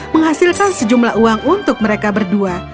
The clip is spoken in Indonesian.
menghasilkan sejumlah uang untuk mereka berdua